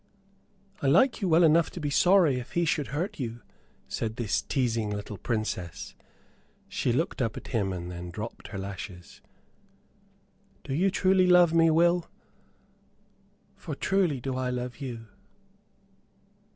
"I like you well enough to be sorry if he should hurt you," said this teasing little Princess. She looked up at him, and then dropped her lashes. "Do you truly love me, Will? For truly do I love you."